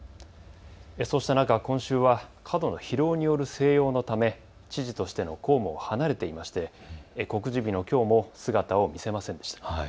そうした中、今週は過度の疲労による静養のため知事としての公務を離れていまして告示日のきょうも姿を見せませんでした。